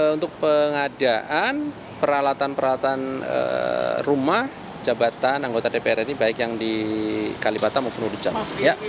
untuk pengadaan peralatan peralatan rumah jabatan anggota dpr ini baik yang di kalibata maupun di james